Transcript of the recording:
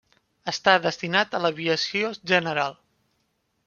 Està destinat a l'Aviació General.